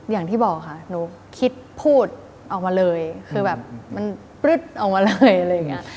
อย่างที่บอกค่ะหนูคิดพูดออกมาเลยคือแบบมันปลึ๊ดออกมาเลยอะไรอย่างนี้